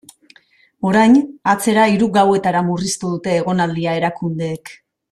Orain, atzera hiru gauetara murriztu dute egonaldia erakundeek.